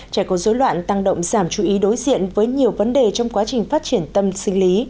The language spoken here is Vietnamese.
trẻ có dối loạn tăng động giảm chú ý đối diện với nhiều vấn đề trong quá trình phát triển tâm sinh lý